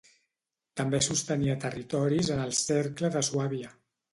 També sostenia territoris en el Cercle de Suàbia.